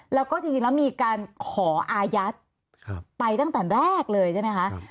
แล้วก็จริงแล้วมีการขออายัดไปตั้งแต่แรกเลยใช่ไหมคะ